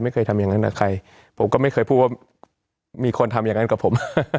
เคยทำอย่างนั้นกับใครผมก็ไม่เคยพูดว่ามีคนทำอย่างนั้นกับผม